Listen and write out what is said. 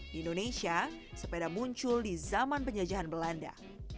di indonesia sepeda muncul di zaman penjajahan belanda